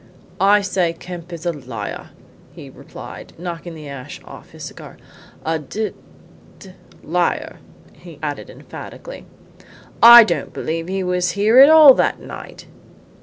"I say Kemp is a liar," he replied, knocking the ash off his cigar. "A d d liar," he added emphatically. "I don't believe he was here at all that night."